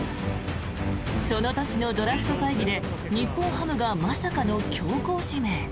その年のドラフト会議で日本ハムがまさかの強行指名。